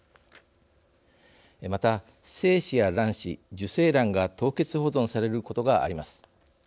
また精子や卵子、受精卵が凍結保存されることがあります。